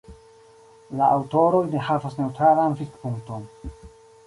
La aŭtoroj ne havas neŭtralan vidpunkton.